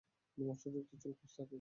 আপনি মসলাযুক্ত ছোলা-কুলচা খেয়েছিলেন।